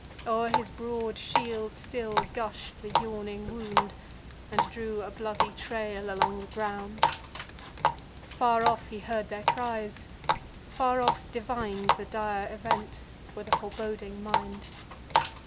O'er his broad shield still gush'd the yawning wound, And drew a bloody trail along the ground. Far off he heard their cries, far off divin'd The dire event, with a foreboding mind.